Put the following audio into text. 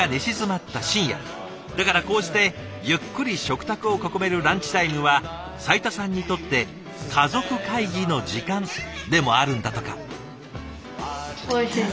だからこうしてゆっくり食卓を囲めるランチタイムは斉田さんにとって家族会議の時間でもあるんだとか。